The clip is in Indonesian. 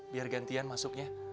biar gantian masuknya